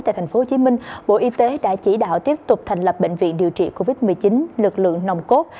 tại tp hcm bộ y tế đã chỉ đạo tiếp tục thành lập bệnh viện điều trị covid một mươi chín lực lượng nồng cốt